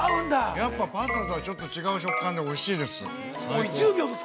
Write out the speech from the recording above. やっぱパスタとは違う食感でおいしいです。